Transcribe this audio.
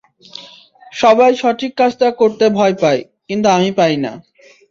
সবাই সঠিক কাজটা করতে ভয় পায়, কিন্তু আমি পাই না।